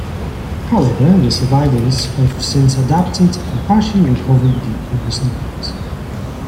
However, the survivors have since adapted and partially recovered their previous numbers.